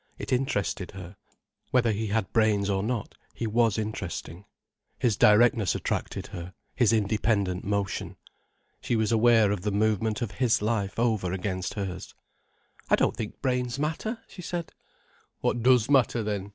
It interested her. Whether he had brains or not, he was interesting. His directness attracted her, his independent motion. She was aware of the movement of his life over against hers. "I don't think brains matter," she said. "What does matter then?"